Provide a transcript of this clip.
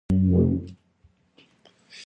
At Juilliard she studied voice with Lucia Dunham.